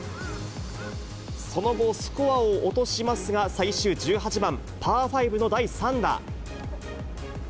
その後、スコアを落としますが、最終１８番、パー５の第３打。